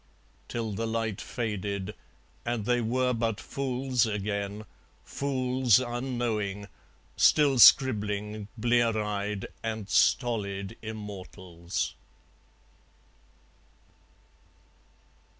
. Till the light faded; And they were but fools again, fools unknowing, Still scribbling, blear eyed and stolid immortals.